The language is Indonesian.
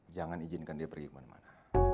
jangan izinkan dia pergi kemana mana